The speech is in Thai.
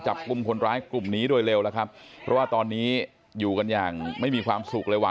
จับกลุ่มคนร้ายกลุ่มนี้โดยเร็วแล้วครับเพราะว่าตอนนี้อยู่กันอย่างไม่มีความสุขเลยว่